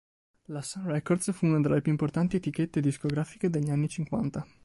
La Sun Records fu una tra le più importanti etichette discografiche degli anni Cinquanta.